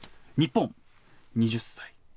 日本、２０歳。